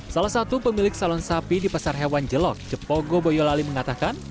salah satu pemilik salon sapi di pasar hewan jelok jepogo boyolali mengatakan